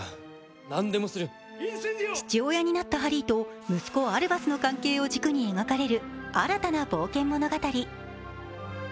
父親になったハリーと息子・アルバスの関係を軸に描かれる新たな冒険物語。